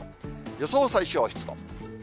予想最小湿度。